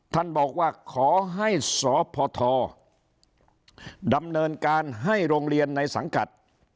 ท่านบอกว่าขอให้สพทดำเนินการให้โรงเรียนในสังกัด